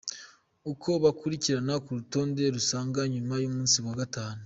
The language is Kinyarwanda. Uko bakurikirana ku rutonde rusange nyuma y’umunsi wa gatanu:.